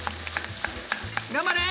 頑張れ！